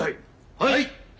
はい！